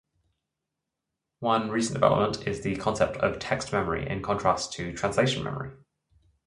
One recent development is the concept of 'text memory' in contrast to translation memory.